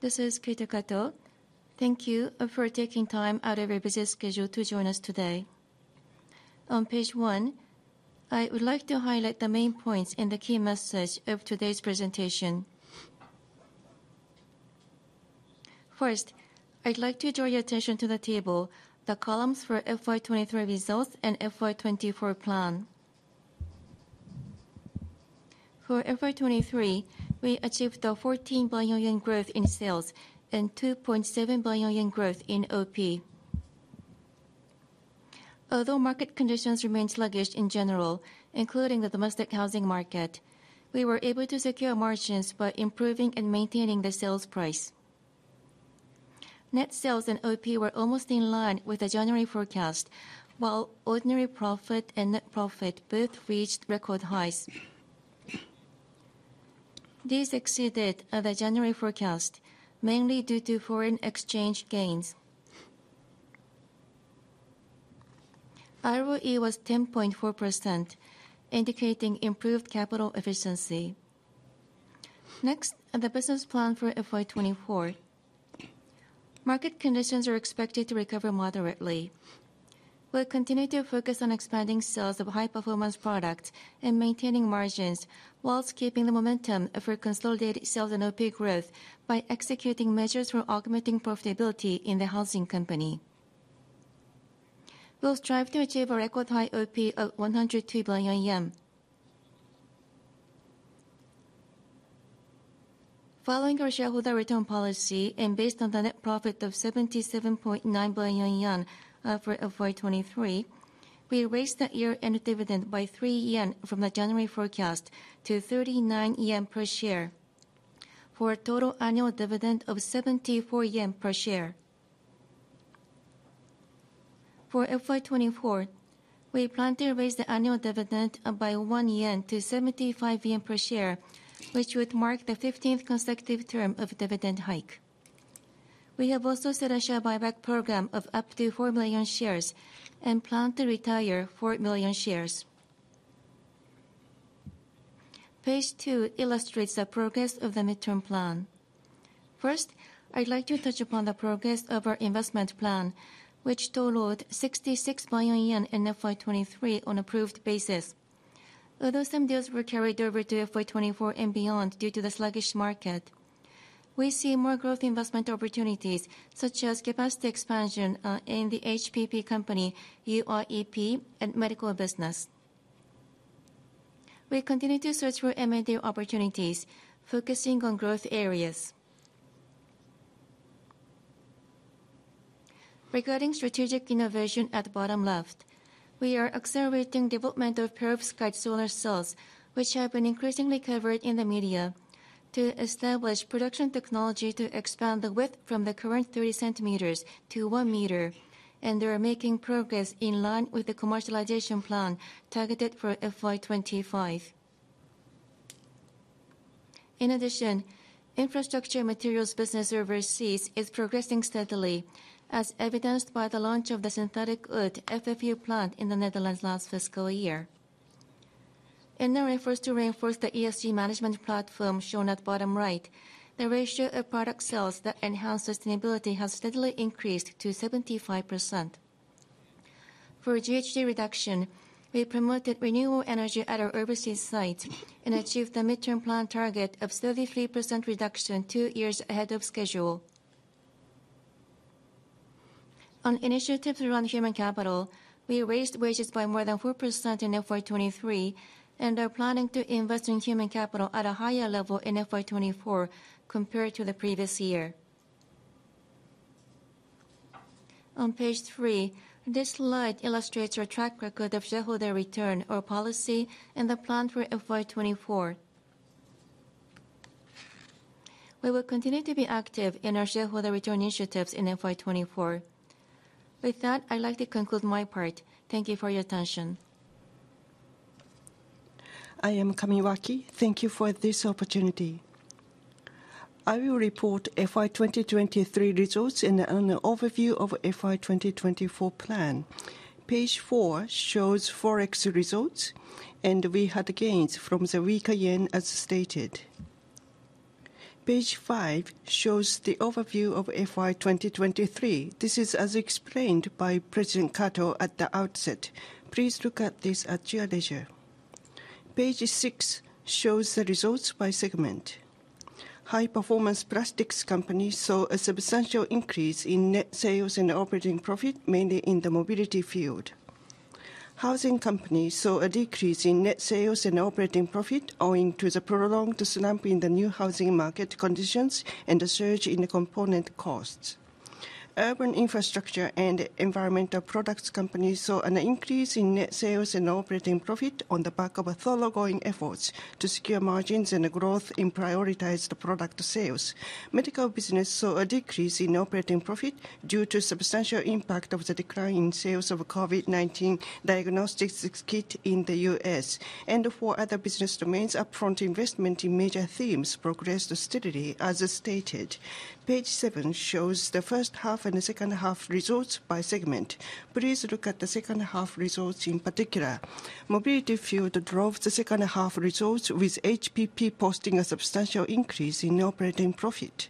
This is Keita Kato. Thank you for taking time out of your busy schedule to join us today. On page one, I would like to highlight the main points and the key message of today's presentation. First, I'd like to draw your attention to the table, the columns for FY 2023 results and FY 2024 plan. For FY 2023, we achieved a 14 billion yen growth in sales and 2.7 billion yen growth in OP. Although market conditions remained sluggish in general, including the domestic housing market, we were able to secure margins by improving and maintaining the sales price. Net sales and OP were almost in line with the January forecast, while ordinary profit and net profit both reached record highs. These exceeded the January forecast, mainly due to foreign exchange gains. ROE was 10.4%, indicating improved capital efficiency. Next, the business plan for FY 2024. Market conditions are expected to recover moderately. We'll continue to focus on expanding sales of high-performance products and maintaining margins, while keeping the momentum for consolidated sales and OP growth by executing measures for augmenting profitability in the housing company. We'll strive to achieve a record high OP of 102 billion yen. Following our shareholder return policy, and based on the net profit of 77.9 billion yen for FY 2023, we raised the year-end dividend by 3 yen from the January forecast to 39 yen per share, for a total annual dividend of 74 yen per share. For FY 2024, we plan to raise the annual dividend by 1-75 yen per share, which would mark the 15th consecutive term of dividend hike. We have also set a share buyback program of up to 4 million shares and plan to retire 4 million shares. Page two illustrates the progress of the midterm plan. First, I'd like to touch upon the progress of our investment plan, which totaled 66 billion yen in FY 2023 on approved basis. Although some deals were carried over to FY 2024 and beyond due to the sluggish market, we see more growth investment opportunities, such as capacity expansion, in the HPP Company, UIEP, and medical business. We continue to search for M&A opportunities, focusing on growth areas. Regarding strategic innovation at the bottom left, we are accelerating development of perovskite solar cells, which have been increasingly covered in the media, to establish production technology to expand the width from the current 30 centimeters to 1 meter, and they are making progress in line with the commercialization plan targeted for FY 2025. In addition, infrastructure materials business overseas is progressing steadily, as evidenced by the launch of the synthetic wood FFU plant in the Netherlands last fiscal year. In our efforts to reinforce the ESG management platform shown at bottom right, the ratio of product sales that enhance sustainability has steadily increased to 75%. For GHG reduction, we promoted renewable energy at our overseas site and achieved the midterm plan target of 33% reduction, two years ahead of schedule. On initiatives around human capital, we raised wages by more than 4% in FY 2023, and are planning to invest in human capital at a higher level in FY 2024, compared to the previous year. On page three, this slide illustrates our track record of shareholder return, our policy, and the plan for FY 2024. We will continue to be active in our shareholder return initiatives in FY 2024. With that, I'd like to conclude my part. Thank you for your attention. I am Kamiwaki. Thank you for this opportunity. I will report FY 2023 results and an overview of FY 2024 plan. Page four shows Forex results, and we had gains from the weaker yen, as stated. Page five shows the overview of FY 2023. This is as explained by President Kato at the outset. Please look at this at your leisure. Page six shows the results by segment. High Performance Plastics Company saw a substantial increase in net sales and operating profit, mainly in the mobility field. Housing Company saw a decrease in net sales and operating profit, owing to the prolonged slump in the new housing market conditions and a surge in the component costs. Urban Infrastructure and Environmental Products Company saw an increase in net sales and operating profit on the back of thoroughgoing efforts to secure margins and a growth in prioritized product sales. Medical business saw a decrease in operating profit due to substantial impact of the decline in sales of COVID-19 diagnostics kit in the U.S. For other business domains, upfront investment in major themes progressed steadily as stated. Page seven shows the first half and the second half results by segment. Please look at the second half results in particular. Mobility field drove the second half results, with HPP posting a substantial increase in operating profit.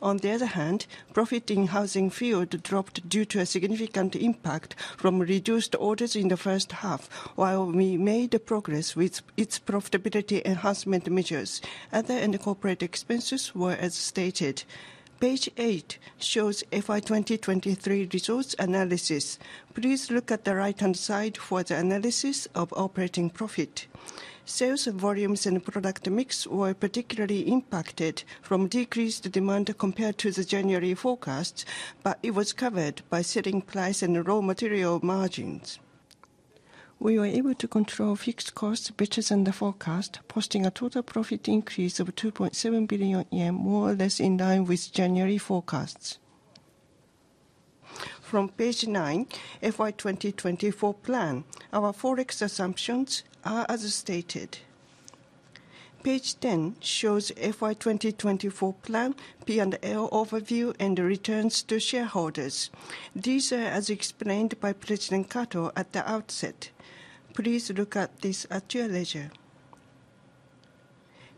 On the other hand, profit in housing field dropped due to a significant impact from reduced orders in the first half, while we made progress with its profitability enhancement measures. Other and corporate expenses were as stated. Page eight shows FY 2023 results analysis. Please look at the right-hand side for the analysis of operating profit. Sales volumes and product mix were particularly impacted from decreased demand compared to the January forecast, but it was covered by selling price and raw material margins. We were able to control fixed costs better than the forecast, posting a total profit increase of 2.7 billion yen, more or less in line with January forecasts. From page nine, FY 2024 plan. Our Forex assumptions are as stated. Page 10 shows FY 2024 plan, P&L overview, and returns to shareholders. These are as explained by President Kato at the outset. Please look at this at your leisure.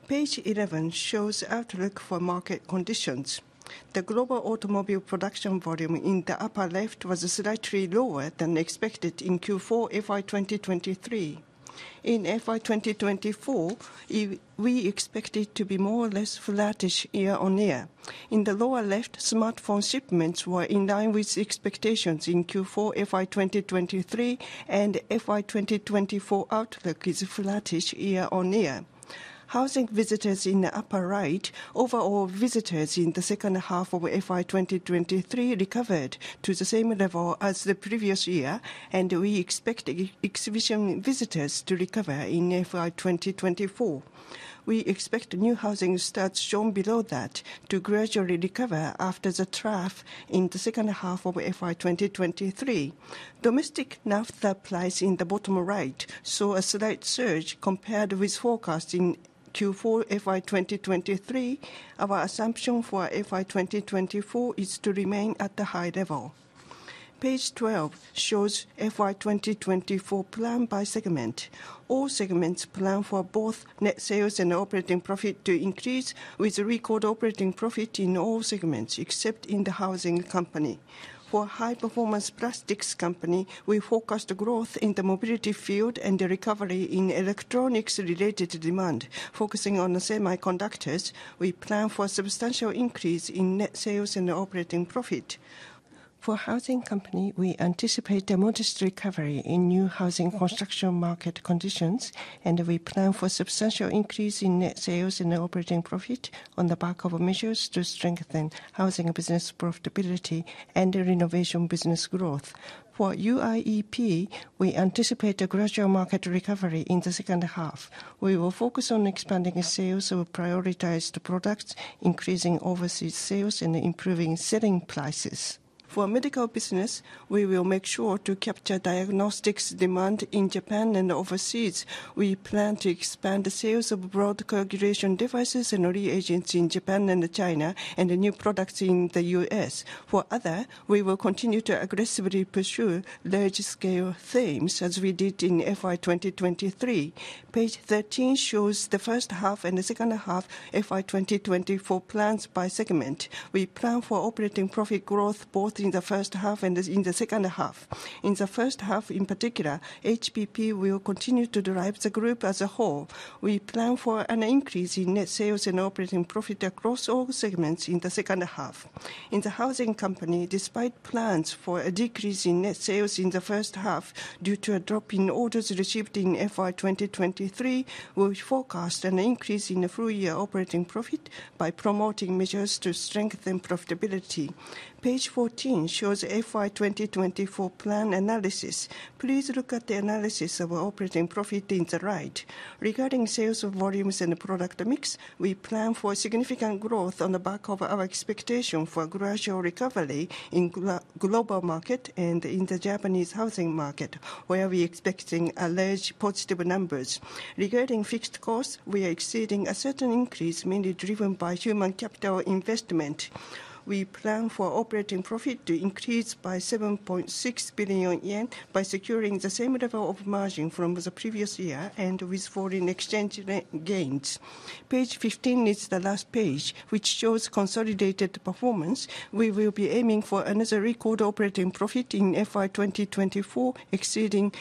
Page 11 shows outlook for market conditions. The global automobile production volume in the upper left was slightly lower than expected in Q4 FY 2023. In FY 2024, we expect it to be more or less flattish year-on-year. In the lower left, smartphone shipments were in line with expectations in Q4 FY 2023, and FY 2024 outlook is flattish year-on-year. Housing visitors in the upper right, overall visitors in the second half of FY 2023 recovered to the same level as the previous year, and we expect exhibition visitors to recover in FY 2024. We expect new housing starts, shown below that, to gradually recover after the trough in the second half of FY 2023. Domestic Naphtha price in the bottom right saw a slight surge compared with forecast in Q4 FY 2023. Our assumption for FY 2024 is to remain at the high level. Page 12 shows FY 2024 plan by segment. All segments plan for both net sales and operating profit to increase, with record operating profit in all segments, except in the Housing Company. For High Performance Plastics Company, we forecast growth in the mobility field and a recovery in electronics-related demand. Focusing on the semiconductors, we plan for a substantial increase in net sales and operating profit. For Housing Company, we anticipate a modest recovery in new housing construction market conditions, and we plan for substantial increase in net sales and operating profit on the back of measures to strengthen housing business profitability and renovation business growth. For UIEP, we anticipate a gradual market recovery in the second half. We will focus on expanding sales of prioritized products, increasing overseas sales, and improving selling prices. For medical business, we will make sure to capture diagnostics demand in Japan and overseas. We plan to expand the sales of blood coagulation devices and reagents in Japan and China, and the new products in the US. For other, we will continue to aggressively pursue large-scale themes as we did in FY 2023. Page 13 shows the first half and the second half FY 2024 plans by segment. We plan for operating profit growth both in the first half and in the second half. In the first half, in particular, HPP will continue to drive the group as a whole. We plan for an increase in net sales and operating profit across all segments in the second half. In the Housing Company, despite plans for a decrease in net sales in the first half due to a drop in orders received in FY 2023, we forecast an increase in the full-year operating profit by promoting measures to strengthen profitability. Page 14 shows FY 2024 plan analysis. Please look at the analysis of operating profit on the right. Regarding sales volumes and product mix, we plan for significant growth on the back of our expectation for a gradual recovery in global market and in the Japanese housing market, where we expecting a large positive numbers. Regarding fixed costs, we are exceeding a certain increase, mainly driven by human capital investment. We plan for operating profit to increase by 7.6 billion yen by securing the same level of margin from the previous year and with foreign exchange gains. Page 15 is the last page, which shows consolidated performance. We will be aiming for another record operating profit in FY 2024, exceeding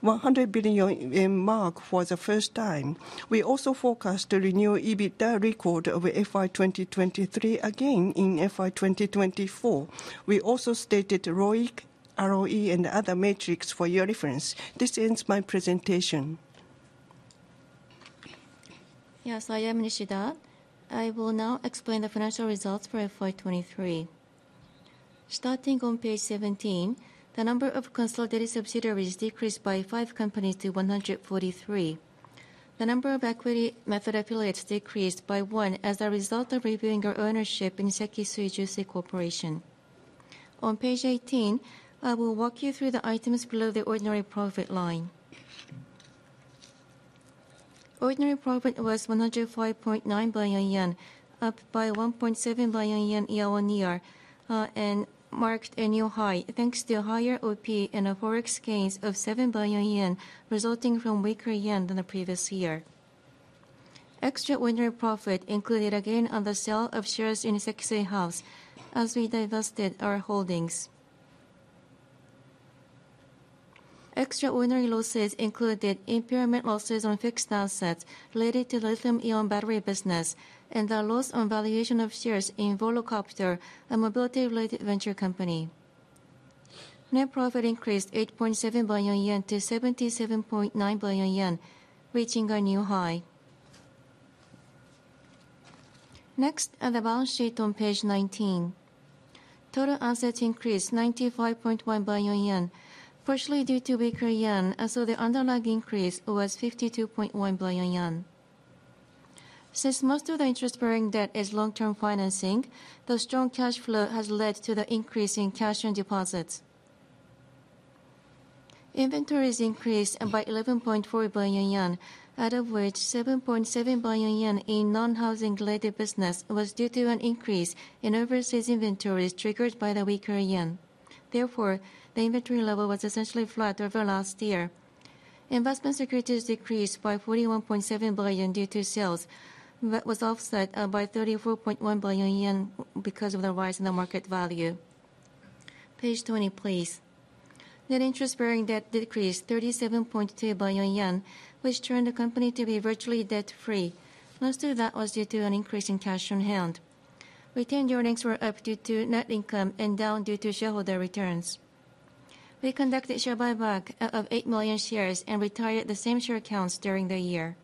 100 billion mark for the first time. We also forecast a new EBITDA record over FY 2023, again in FY 2024. We also stated ROIC, ROE, and other metrics for your reference. This ends my presentation. Yes, I am Nishida. I will now explain the financial results for FY 2023. Starting on page 17, the number of consolidated subsidiaries decreased by five companies to 143. The number of equity method affiliates decreased by one as a result of reviewing our ownership in Sekisui Jushi Corporation. On page 18, I will walk you through the items below the ordinary profit line. Ordinary profit was 105.9 billion yen, up by 1.7 billion yen year-on-year, and marked a new high, thanks to higher OP and Forex gains of 7 billion yen, resulting from weaker yen than the previous year. Extraordinary profit included, again, on the sale of shares in Sekisui House, as we divested our holdings. Extraordinary losses included impairment losses on fixed assets related to lithium-ion battery business, and the loss on valuation of shares in Volocopter, a mobility-related venture company. Net profit increased 8.7 billion-77.9 billion yen, reaching a new high. Next, on the balance sheet on page 19. Total assets increased 95.1 billion yen, partially due to weaker yen, and so the underlying increase was 52.1 billion yen. Since most of the interest-bearing debt is long-term financing, the strong cash flow has led to the increase in cash and deposits. Inventories increased by 11.4 billion yen, out of which 7.7 billion yen in non-housing related business was due to an increase in overseas inventories triggered by the weaker yen. Therefore, the inventory level was essentially flat over last year. Investment securities decreased by 41.7 billion due to sales, but was offset by 34.1 billion yen because of the rise in the market value. Page 20, please. Net interest-bearing debt decreased 37.2 billion yen, which turned the company to be virtually debt-free. Most of that was due to an increase in cash on hand. Retained earnings were up due to net income and down due to shareholder returns. We conducted share buyback of 8 million shares and retired the same share counts during the year.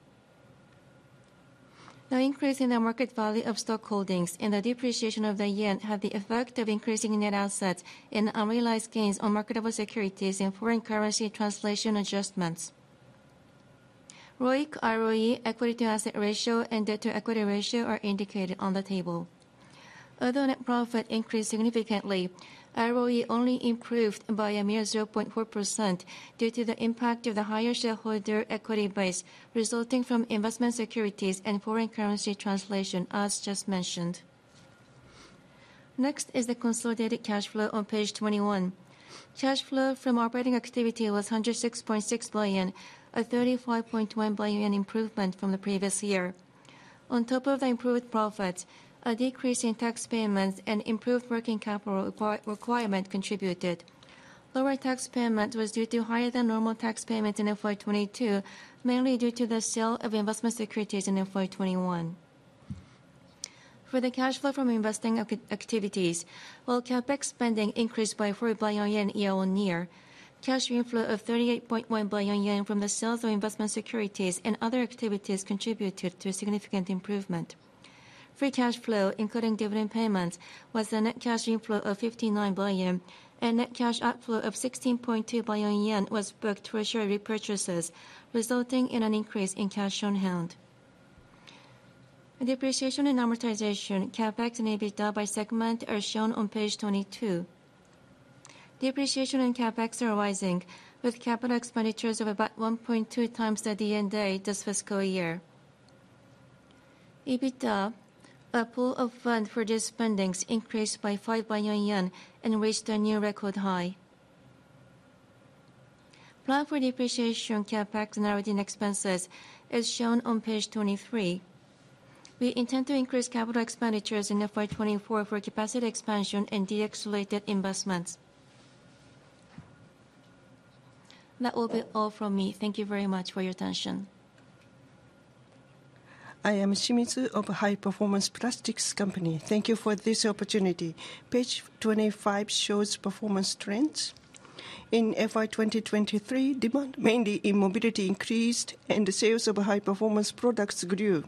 The increase in the market value of stock holdings and the depreciation of the yen had the effect of increasing net assets and unrealized gains on marketable securities and foreign currency translation adjustments. ROIC, ROE, equity to asset ratio, and debt to equity ratio are indicated on the table. Although net profit increased significantly, ROE only improved by a mere 0.4% due to the impact of the higher shareholder equity base, resulting from investment securities and foreign currency translation, as just mentioned. Next is the consolidated cash flow on page 21. Cash flow from operating activity was 106.6 billion, a 35.1 billion improvement from the previous year. On top of the improved profits, a decrease in tax payments and improved working capital requirement contributed. Lower tax payment was due to higher than normal tax payments in FY 2022, mainly due to the sale of investment securities in FY 2021. For the cash flow from investing activities, while CapEx spending increased by 4 billion yen year-on-year, cash inflow of 38.1 billion yen from the sales of investment securities and other activities contributed to a significant improvement. Free cash flow, including dividend payments, was a net cash inflow of 59 billion, and net cash outflow of 16.2 billion yen was booked for share repurchases, resulting in an increase in cash on hand. Depreciation and amortization, CapEx, and EBITDA by segment are shown on page 22. Depreciation and CapEx are rising, with capital expenditures of about 1.2 times the year end date this fiscal year. EBITDA, a pool of fund for these spendings, increased by 5 billion yen and reached a new record high. Plan for depreciation, CapEx, and operating expenses is shown on page 23. We intend to increase capital expenditures in FY 2024 for capacity expansion and DX-related investments. That will be all from me. Thank you very much for your attention. I am Shimizu of High Performance Plastics Company. Thank you for this opportunity. Page 25 shows performance trends. In FY 2023, demand, mainly in mobility, increased, and the sales of high-performance products grew.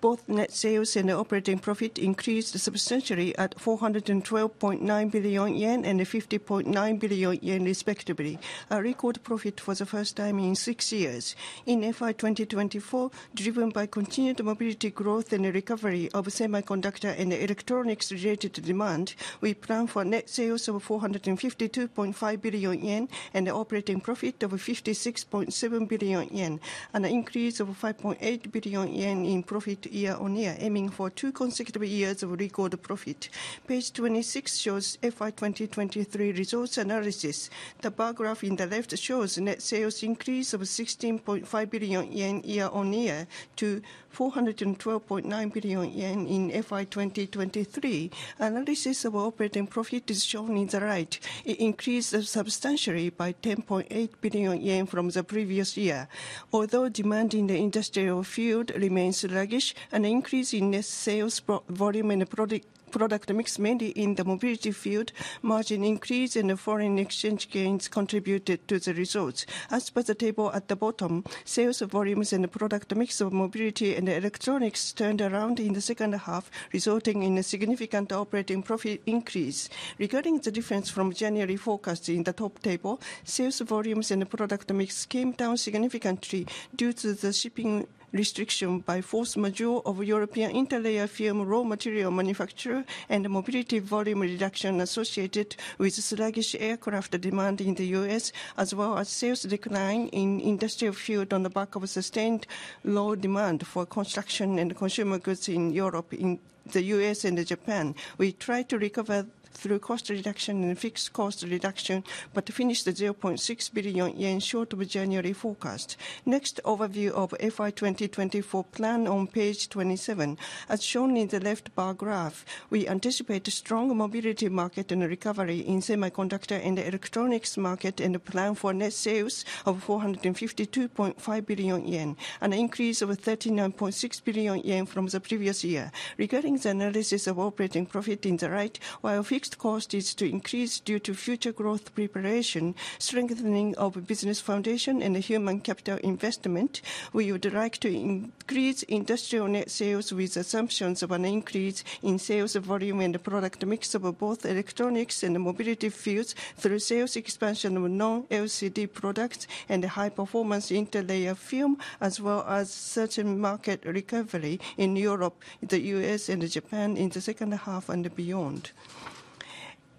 Both net sales and operating profit increased substantially at 412.9 billion yen and 50.9 billion yen, respectively, a record profit for the first time in six years. In FY 2024, driven by continued mobility growth and a recovery of semiconductor and electronics-related demand, we plan for net sales of 452.5 billion yen and operating profit of 56.7 billion yen, an increase of 5.8 billion yen in profit year-on-year, aiming for two consecutive years of record profit. Page 26 shows FY 2023 results analysis. The bar graph in the left shows net sales increase of 16.5 billion yen year-on-year to 412.9 billion yen in FY 2023. Analysis of operating profit is shown in the right. It increased substantially by 10.8 billion yen from the previous year. Although demand in the industrial field remains sluggish, an increase in net sales volume and product, product mix, mainly in the mobility field, margin increase and foreign exchange gains contributed to the results. As per the table at the bottom, sales volumes and the product mix of mobility and electronics turned around in the second half, resulting in a significant operating profit increase. Regarding the difference from January forecast in the top table, sales volumes and product mix came down significantly due to the shipping restriction by force majeure of European interlayer film raw material manufacturer, and mobility volume reduction associated with sluggish aircraft demand in the US, as well as sales decline in industrial field on the back of a sustained low demand for construction and consumer goods in Europe, in the US and Japan. We tried to recover through cost reduction and fixed cost reduction, but finished 0.6 billion yen short of January forecast. Next, overview of FY 2024 plan on page 27. As shown in the left bar graph, we anticipate a strong mobility market and a recovery in semiconductor and electronics market, and a plan for net sales of 452.5 billion yen, an increase of 39.6 billion yen from the previous year. Regarding the analysis of operating profit in the right, while fixed cost is to increase due to future growth preparation, strengthening of business foundation, and human capital investment, we would like to increase industrial net sales with assumptions of an increase in sales volume and product mix of both electronics and mobility fields through sales expansion of non-LCD products and high-performance interlayer film, as well as certain market recovery in Europe, the US and Japan in the second half and beyond.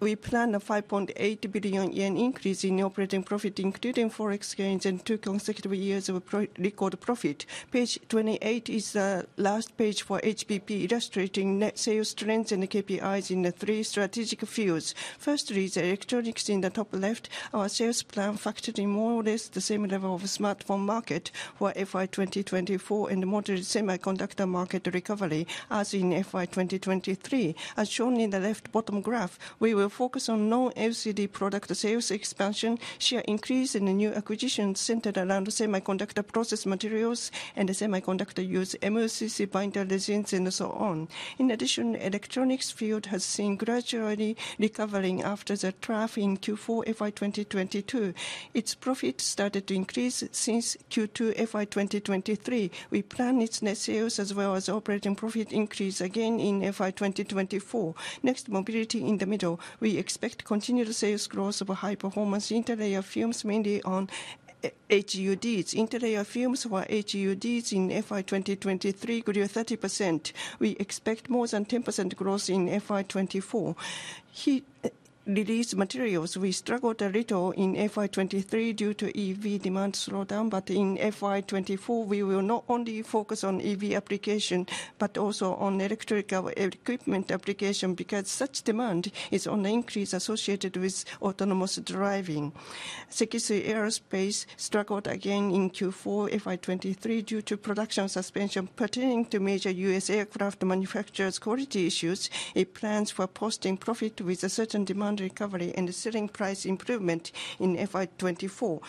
We plan a 5.8 billion yen increase in operating profit, including Forex gains and two consecutive years of record profit. Page 28 is the last page for HPP, illustrating net sales trends and KPIs in the three strategic fields. Firstly, the electronics in the top left. Our sales plan factored in more or less the same level of smartphone market for FY 2024 and moderate semiconductor market recovery as in FY 2023. As shown in the left bottom graph, we will focus on non-LCD product sales expansion, share increase in the new acquisitions centered around semiconductor process materials and semiconductor use, MLCC, binder resins, and so on. In addition, electronics field has seen gradually recovering after the trough in Q4 FY 2022. Its profit started to increase since Q2 FY 2023. We plan its net sales as well as operating profit increase again in FY 2024. Next, mobility in the middle. We expect continued sales growth of high-performance interlayer films, mainly on HUDs. Interlayer films for HUDs in FY 2023 grew 30%. We expect more than 10% growth in FY 2024. Heat release materials, we struggled a little in FY 2023 due to EV demand slowdown, but in FY 2024, we will not only focus on EV application, but also on electrical equipment application, because such demand is on the increase associated with autonomous driving. Sekisui Aerospace struggled again in Q4 FY 2023 due to production suspension pertaining to major U.S. aircraft manufacturer's quality issues. It plans for posting profit with a certain demand recovery and selling price improvement in FY 2024.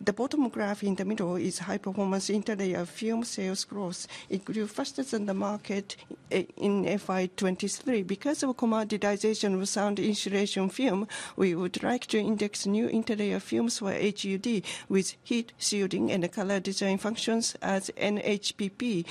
The bottom graph in the middle is high-performance interlayer film sales growth. It grew faster than the market in FY 2023. Because of commoditization of sound insulation film, we would like to index new interlayer films for HUD with heat shielding and color design functions as NHPP.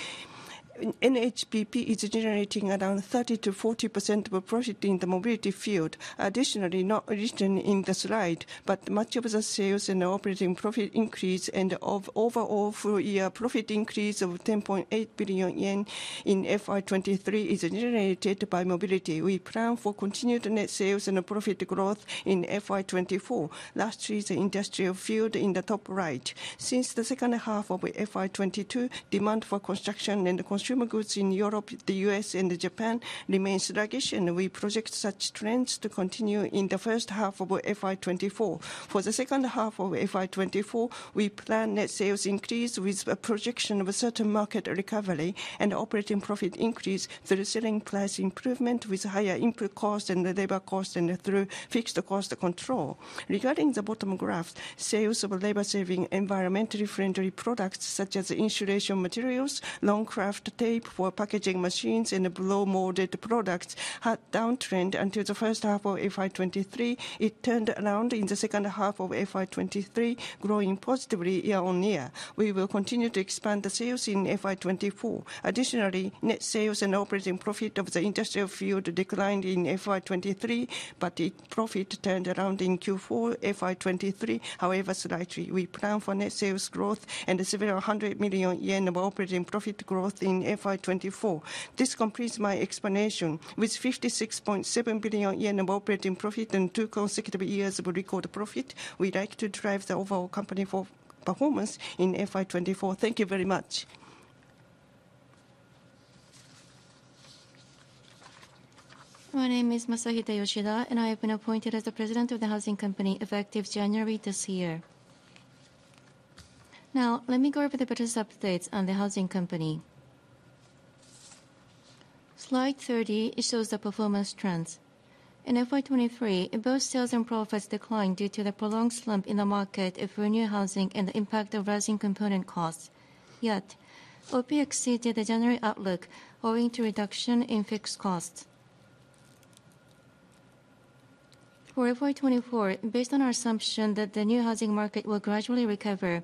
NHPP is generating around 30%-40% of profit in the mobility field. Additionally, not written in the slide, but much of the sales and operating profit increase and of overall full-year profit increase of 10.8 billion yen in FY 2023 is generated by mobility. We plan for continued net sales and profit growth in FY 2024. Lastly, the industrial field in the top right. Since the second half of FY 2022, demand for construction and consumer goods in Europe, the US and Japan remains sluggish, and we project such trends to continue in the first half of FY 2024. For the second half of FY 2024, we plan net sales increase with a projection of a certain market recovery and operating profit increase through selling price improvement, with higher input costs and labor costs, and through fixed cost control. Regarding the bottom graph, sales of labor-saving, environmentally friendly products, such as insulation materials, long Kraft tape for packaging machines, and blow-molded products, had downtrend until the first half of FY 2023. It turned around in the second half of FY 2023, growing positively year-on-year. We will continue to expand the sales in FY 2024. Additionally, net sales and operating profit of the industrial field declined in FY 2023, but the profit turned around in Q4 FY 2023, however slightly. We plan for net sales growth and several hundred million JPY of operating profit growth in FY 2024. This completes my explanation. With 56.7 billion yen of operating profit and 2 consecutive years of record profit, we'd like to drive the overall company for performance in FY 2024. Thank you very much. My name is Masahide Yoshida, and I have been appointed as the president of the Housing Company effective January this year. Now, let me go over the business updates on the Housing Company. Slide 30 shows the performance trends. In FY 2023, both sales and profits declined due to the prolonged slump in the market for new housing and the impact of rising component costs. Yet, OP exceeded the general outlook, owing to reduction in fixed costs. For FY 2024, based on our assumption that the new housing market will gradually recover,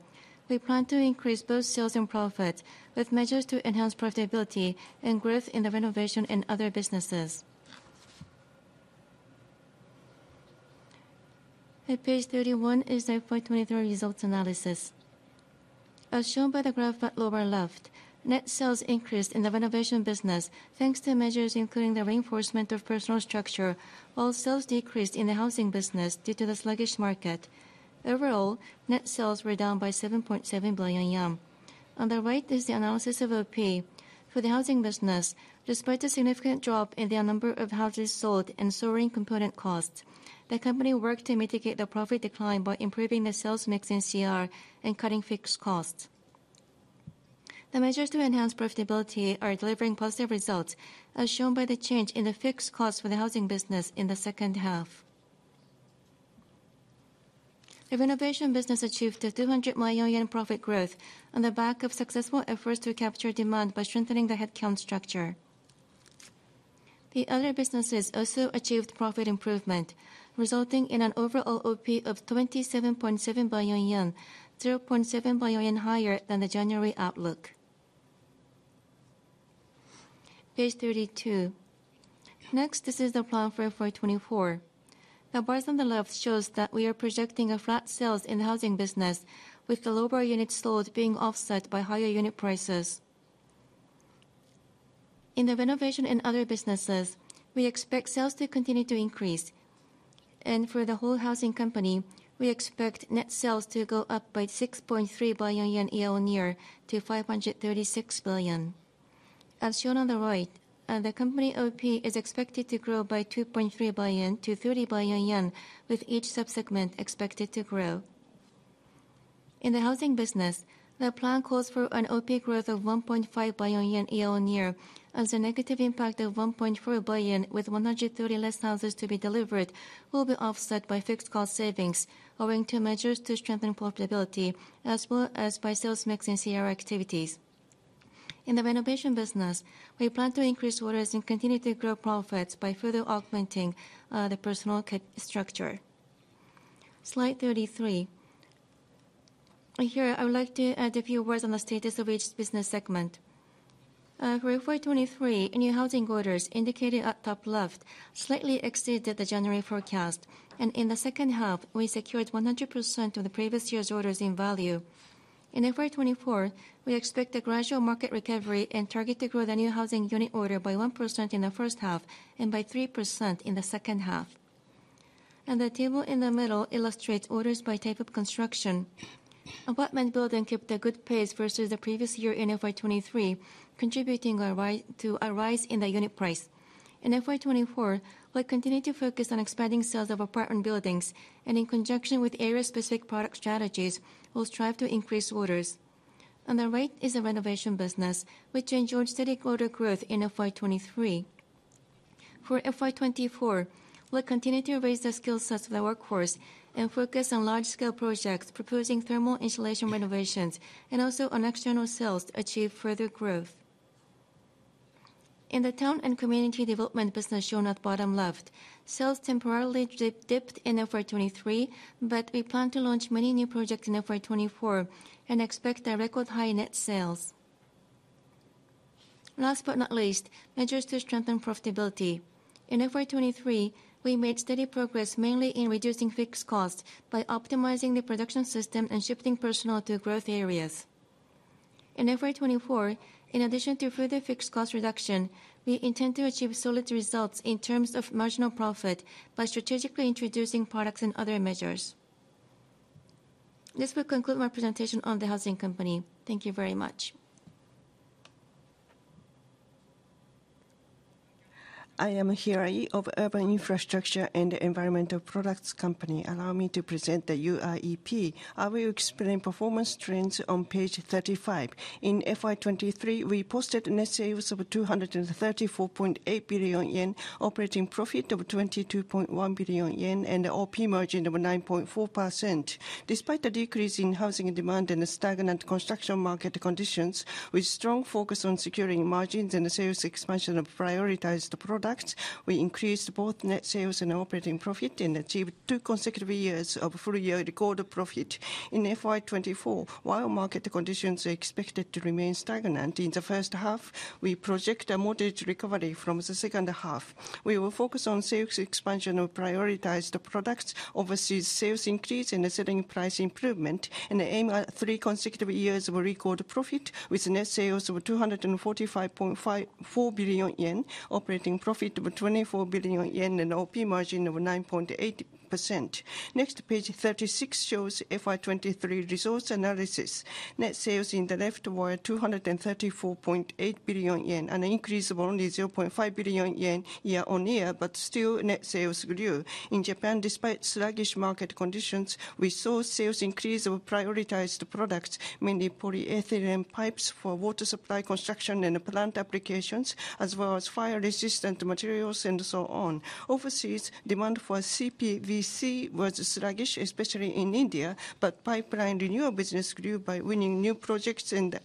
we plan to increase both sales and profit, with measures to enhance profitability and growth in the renovation and other businesses. At page 31 is the FY 2023 results analysis. As shown by the graph at lower left, net sales increased in the renovation business, thanks to measures including the reinforcement of personnel structure, while sales decreased in the housing business due to the sluggish market. Overall, net sales were down by 7.7 billion yen. On the right is the analysis of OP. For the housing business, despite a significant drop in the number of houses sold and soaring component costs, the company worked to mitigate the profit decline by improving the sales mix in CR and cutting fixed costs. The measures to enhance profitability are delivering positive results, as shown by the change in the fixed costs for the housing business in the second half. The renovation business achieved a 200 million yen profit growth on the back of successful efforts to capture demand by strengthening the headcount structure. The other businesses also achieved profit improvement, resulting in an overall OP of 27.7 billion yen, 0.7 billion yen higher than the January outlook. Page 32. Next, this is the plan for FY 2024. The bars on the left shows that we are projecting a flat sales in the housing business, with the lower unit sold being offset by higher unit prices. In the renovation and other businesses, we expect sales to continue to increase, and for the whole housing company, we expect net sales to go up by 6.3 billion yen year-on-year to 536 billion. As shown on the right, the company OP is expected to grow by 2.3 billion-30 billion yen, with each sub-segment expected to grow. In the housing business, the plan calls for an OP growth of 1.5 billion yen year-on-year, as the negative impact of 1.4 billion, with 130 less houses to be delivered, will be offset by fixed cost savings, owing to measures to strengthen profitability, as well as by sales mix and CR activities. In the renovation business, we plan to increase orders and continue to grow profits by further augmenting the personnel structure. Slide 33. Here, I would like to add a few words on the status of each business segment. For FY 2023, new housing orders, indicated at top left, slightly exceeded the January forecast, and in the second half, we secured 100% of the previous year's orders in value. In FY 2024, we expect a gradual market recovery and target to grow the new housing unit order by 1% in the first half and by 3% in the second half. The table in the middle illustrates orders by type of construction. Apartment building kept a good pace versus the previous year in FY 2023, contributing to a rise in the unit price. In FY 2024, we'll continue to focus on expanding sales of apartment buildings, and in conjunction with area-specific product strategies, we'll strive to increase orders. On the right is the renovation business, which enjoyed steady order growth in FY 2023. For FY 2024, we'll continue to raise the skill sets of the workforce and focus on large-scale projects, proposing thermal insulation renovations and also on external sales to achieve further growth. In the town and community development business shown at bottom left, sales temporarily dipped in FY 2023, but we plan to launch many new projects in FY 2024 and expect a record high net sales. Last but not least, measures to strengthen profitability. In FY 2023, we made steady progress, mainly in reducing fixed costs, by optimizing the production system and shifting personnel to growth areas. In FY 2024, in addition to further fixed cost reduction, we intend to achieve solid results in terms of marginal profit by strategically introducing products and other measures. This will conclude my presentation on the Housing Company. Thank you very much. I am Hirai of Urban Infrastructure and Environmental Products Company. Allow me to present the UIEP. I will explain performance trends on page 35. In FY 2023, we posted net sales of 234.8 billion yen, operating profit of 22.1 billion yen, and OP margin of 9.4%. Despite the decrease in housing demand and the stagnant construction market conditions, with strong focus on securing margins and the sales expansion of prioritized products, we increased both net sales and operating profit and achieved two consecutive years of full-year record profit. In FY 2024, while market conditions are expected to remain stagnant in the first half, we project a moderate recovery from the second half. We will focus on sales expansion of prioritized products, overseas sales increase, and the selling price improvement, and aim at three consecutive years of record profit, with net sales of 245.4 billion yen, operating profit of 24 billion yen, and OP margin of 9.8%. Next, page 36 shows FY 2023 results analysis. Net sales in the left were 234.8 billion yen, an increase of only 0.5 billion yen year-on-year, but still net sales grew. In Japan, despite sluggish market conditions, we saw sales increase of prioritized products, mainly polyethylene pipes for water supply, construction, and plant applications, as well as fire-resistant materials and so on. Overseas, demand for CPVC was sluggish, especially in India, but pipeline renewal business grew by winning new projects and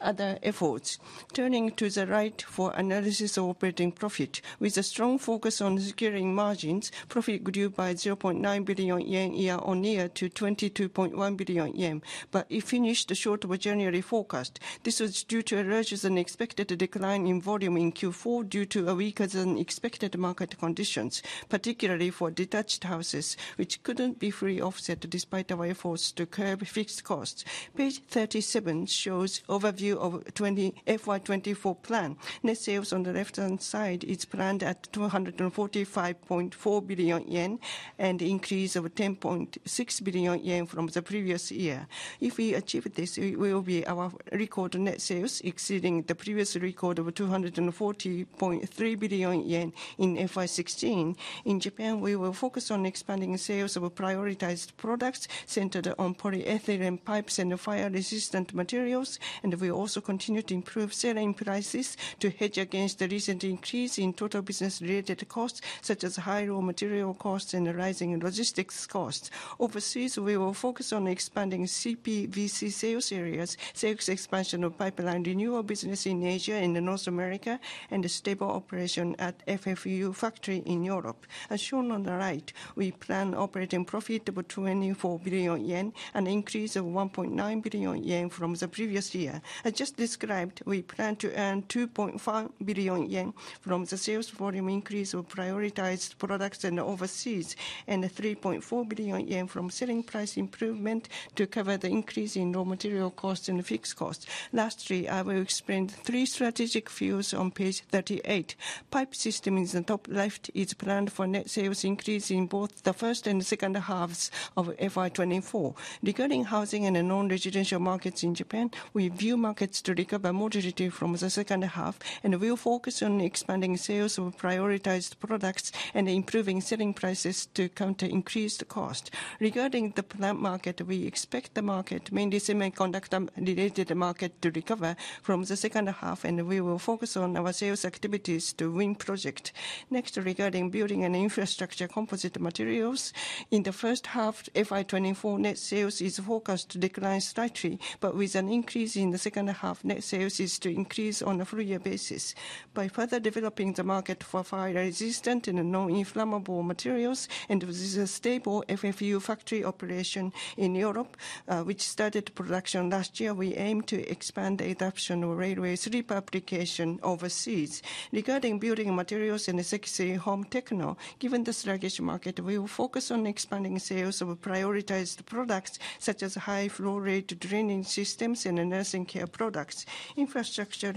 through other efforts. Turning to the right for analysis of operating profit. With a strong focus on securing margins, profit grew by 0.9 billion yen year-on-year to 22.1 billion yen, but it finished short of our January forecast. This was due to a larger than expected decline in volume in Q4, due to a weaker than expected market conditions, particularly for detached houses, which couldn't be fully offset despite our efforts to curb fixed costs. Page 37 shows overview of FY 2024 plan. Net sales on the left-hand side is planned at 245.4 billion yen, an increase of 10.6 billion yen from the previous year. If we achieve this, it will be our record net sales, exceeding the previous record of 240.3 billion yen in FY 2016. In Japan, we will focus on expanding sales of prioritized products centered on polyethylene pipes and fire-resistant materials, and we also continue to improve selling prices to hedge against the recent increase in total business-related costs, such as high raw material costs and the rising logistics costs. Overseas, we will focus on expanding CPVC sales areas, sales expansion of pipeline renewal business in Asia and in North America, and a stable operation at FFU factory in Europe. As shown on the right, we plan operating profit of 24 billion yen, an increase of 1.9 billion yen from the previous year. I just described, we plan to earn 2.5 billion yen from the sales volume increase of prioritized products in overseas, and 3.4 billion yen from selling price improvement to cover the increase in raw material costs and fixed costs. Lastly, I will explain three strategic views on page 38. Pipe system in the top left is planned for net sales increase in both the first and second halves of FY 2024. Regarding housing and the non-residential markets in Japan, we view markets to recover moderately from the second half, and we'll focus on expanding sales of prioritized products and improving selling prices to counter increased cost. Regarding the plant market, we expect the market, mainly semiconductor-related market, to recover from the second half, and we will focus on our sales activities to win project. Next, regarding building and infrastructure composite materials. In the first half, FY 2024 net sales is forecast to decline slightly, but with an increase in the second half, net sales is to increase on a full year basis. By further developing the market for fire-resistant and non-inflammable materials, and with a stable FFU factory operation in Europe, which started production last year, we aim to expand the adoption of railway sleeper application overseas. Regarding building materials in the Sekisui Home Techno, given the sluggish market, we will focus on expanding sales of prioritized products, such as high flow rate draining systems and nursing care products. Infrastructure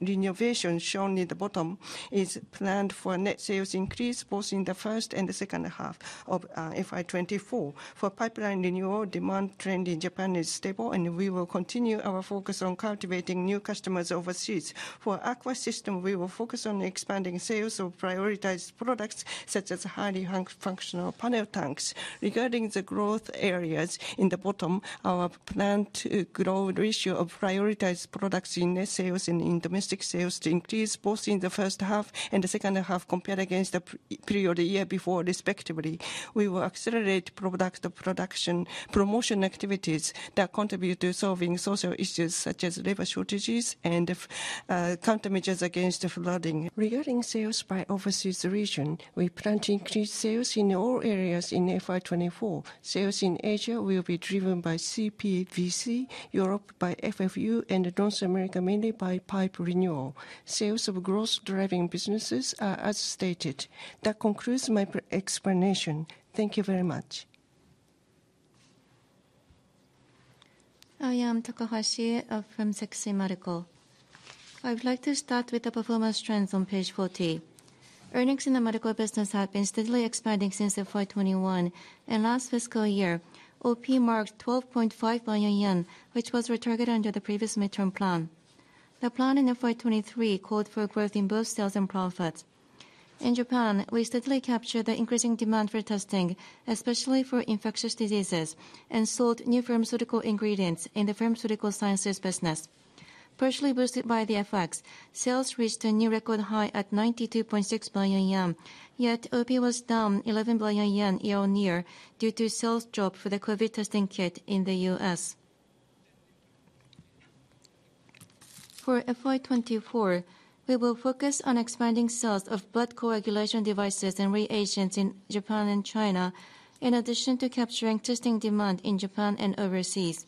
renovation, shown in the bottom, is planned for a net sales increase both in the first and the second half of FY 2024. For pipeline renewal, demand trend in Japan is stable, and we will continue our focus on cultivating new customers overseas. For aqua system, we will focus on expanding sales of prioritized products, such as functional panel tanks. Regarding the growth areas in the bottom, our plan to grow ratio of prioritized products in net sales and in domestic sales to increase both in the first half and the second half, compared against the period a year before, respectively. We will accelerate product production promotion activities that contribute to solving social issues, such as labor shortages and countermeasures against flooding. Regarding sales by overseas region, we plan to increase sales in all areas in FY 2024. Sales in Asia will be driven by CPVC, Europe by FFU, and North America mainly by pipe renewal. Sales of growth-driving businesses are as stated. That concludes my explanation. Thank you very much. I am Takahashi from Sekisui Medical. I would like to start with the performance trends on page 40. Earnings in the medical business have been steadily expanding since FY 2021, and last fiscal year, OP marked 12.5 billion yen, which was our target under the previous midterm plan. The plan in FY 2023 called for growth in both sales and profits. In Japan, we steadily captured the increasing demand for testing, especially for infectious diseases, and sold new pharmaceutical ingredients in the pharmaceutical sciences business. Partially boosted by the FX, sales reached a new record high at 92.6 billion yen, yet OP was down 11 billion yen year-on-year due to sales drop for the COVID testing kit in the U.S. For FY 2024, we will focus on expanding sales of blood coagulation devices and reagents in Japan and China, in addition to capturing testing demand in Japan and overseas.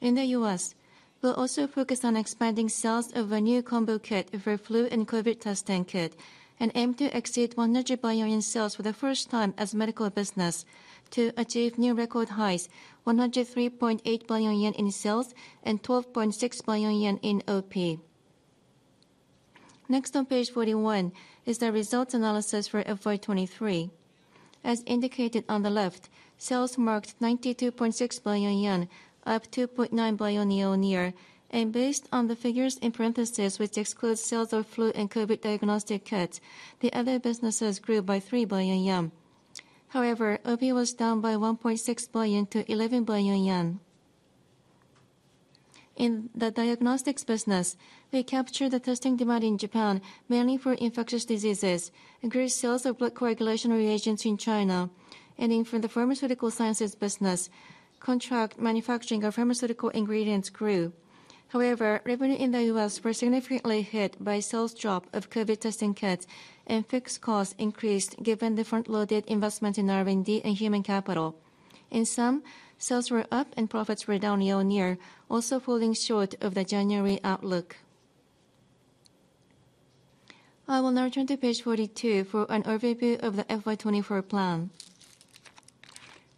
In the US, we'll also focus on expanding sales of a new combo kit for flu and COVID testing kit, and aim to exceed 100 billion in sales for the first time as medical business to achieve new record highs, 103.8 billion yen in sales and 12.6 billion yen in OP. Next on page 41 is the results analysis for FY 2023. As indicated on the left, sales marked 92.6 billion yen, up 2.9 billion yen year-on-year. Based on the figures in parentheses, which excludes sales of flu and COVID diagnostic kits, the other businesses grew by 3 billion yen. However, OP was down by 1.6 billion-11 billion yen. In the diagnostics business, we captured the testing demand in Japan, mainly for infectious diseases, increased sales of blood coagulation reagents in China, and in for the pharmaceutical sciences business, contract manufacturing of pharmaceutical ingredients grew. However, revenue in the US were significantly hit by sales drop of COVID testing kits, and fixed costs increased given the front-loaded investment in R&D and human capital. In sum, sales were up and profits were down year-on-year, also falling short of the January outlook. I will now turn to page 42 for an overview of the FY 2024 plan.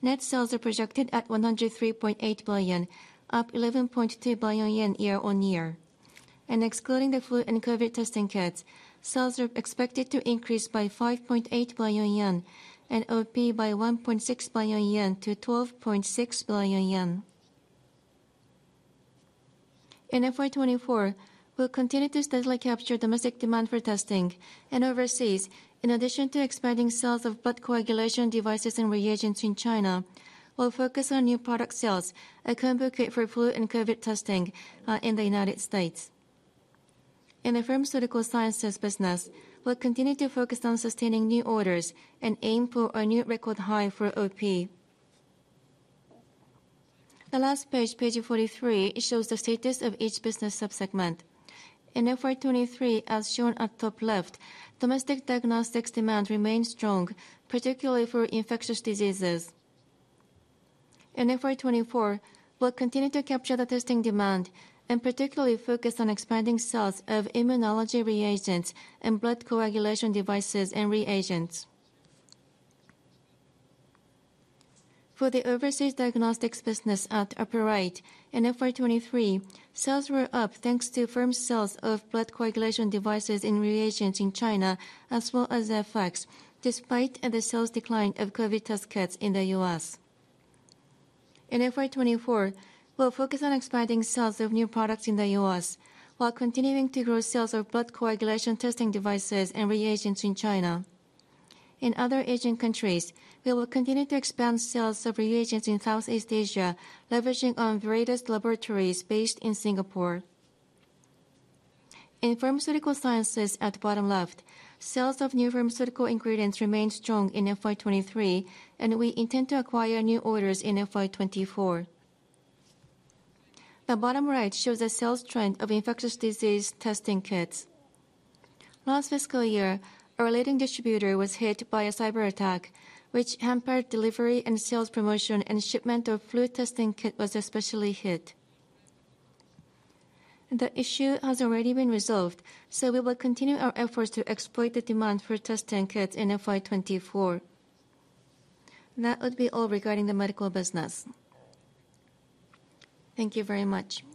Net sales are projected at 103.8 billion, up 11.2 billion yen year-on-year. Excluding the flu and COVID testing kits, sales are expected to increase by 5.8 billion yen and OP by 1.6 billion-12.6 billion yen. In FY 2024, we'll continue to steadily capture domestic demand for testing and overseas. In addition to expanding sales of blood coagulation devices and reagents in China, we'll focus on new product sales, a combo kit for flu and COVID testing, in the United States. In the pharmaceutical sciences business, we'll continue to focus on sustaining new orders and aim for a new record high for OP. The last page, page 43, shows the status of each business sub-segment. In FY 2023, as shown at top left, domestic diagnostics demand remained strong, particularly for infectious diseases. In FY 2024, we'll continue to capture the testing demand and particularly focus on expanding sales of immunology reagents and blood coagulation devices and reagents. For the overseas diagnostics business at upper right, in FY 2023, sales were up thanks to firm sales of blood coagulation devices and reagents in China, as well as FX, despite the sales decline of COVID test kits in the US. In FY 2024, we'll focus on expanding sales of new products in the US, while continuing to grow sales of blood coagulation testing devices and reagents in China. In other Asian countries, we will continue to expand sales of reagents in Southeast Asia, leveraging on Veredus Laboratories based in Singapore. In pharmaceutical sciences, at bottom left, sales of new pharmaceutical ingredients remained strong in FY 2023, and we intend to acquire new orders in FY 2024. The bottom right shows the sales trend of infectious disease testing kits. Last fiscal year, our leading distributor was hit by a cyberattack, which hampered delivery and sales promotion, and shipment of flu testing kit was especially hit. The issue has already been resolved, so we will continue our efforts to exploit the demand for testing kits in FY 2024. That would be all regarding the medical business. Thank you very much.